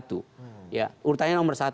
urutannya nomor satu